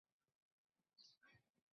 তো, সঁই করেছ?